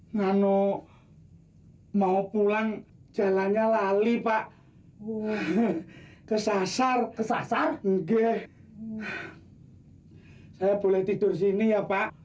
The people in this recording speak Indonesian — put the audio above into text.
nganuk mau pulang jalannya lali pak kesasar kesasar oke saya boleh tidur sini ya pak